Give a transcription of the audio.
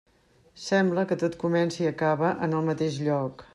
Sembla que tot comença i acaba en el mateix lloc.